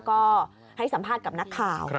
ก็ให้สัมภาษณ์กับนักข่าว